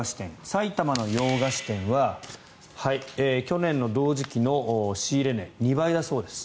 埼玉の洋菓子店は去年の同時期の仕入れ値２倍だそうです。